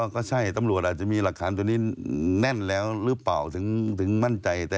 ก็ใช่ตำรวจอาจจะมีหลักฐานตัวนี้แน่นแล้วหรือเปล่าถึงมั่นใจ